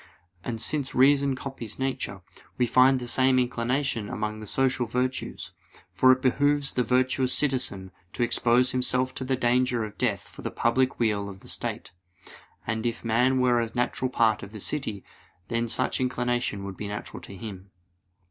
And since reason copies nature, we find the same inclination among the social virtues; for it behooves the virtuous citizen to expose himself to the danger of death for the public weal of the state; and if man were a natural part of the city, then such inclination would be natural to him.